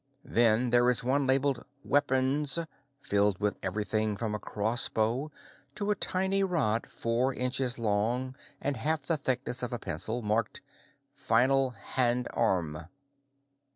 Then there is one labeled Wep:nz, filled with everything from a crossbow to a tiny rod four inches long and half the thickness of a pencil, marked Fynal Hand Arm.